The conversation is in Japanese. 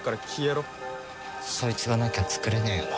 そいつがなきゃ作れねえよな。